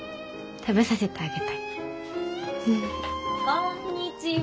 こんにちは！